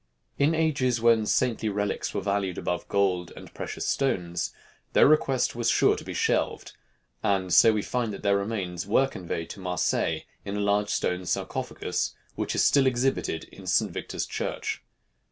In ages when saintly relics were valued above gold and precious stones, their request was sure to be shelved; and so we find that their remains were conveyed to Marseilles in a large stone sarcophagus, which is still exhibited in St. Victor's Church.